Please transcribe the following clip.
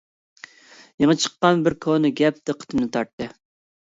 يېڭى چىققان بىر كونا گەپ دىققىتىمنى تارتتى.